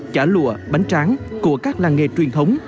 chả lụa bánh tráng của các làng nghề truyền thống